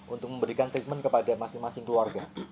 untuk memberikan treatment kepada masing masing keluarga